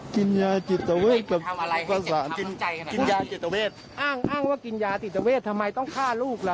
กินยาจิตเวทแบบภาษาอ้างอ้างว่ากินยาจิตเวททำไมต้องฆ่าลูกล่ะ